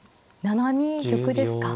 ７二玉ですか。